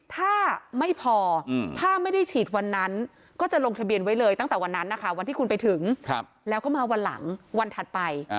ถ้าไม่พอถ้าไม่ได้ฉีดวันนั้นก็จะลงทะเบียนไว้เลยตั้งแต่วันนั้นนะคะวันที่คุณไปถึงแล้วก็มาวันหลังวันถัดไป